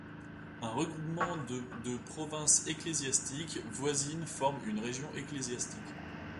Un regroupement de de provinces ecclésiastiques voisines forme une région ecclésiastique.